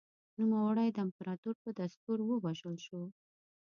نوموړی د امپراتور په دستور ووژل شو